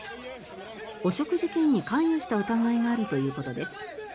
汚職事件に関与した疑いがあるということです。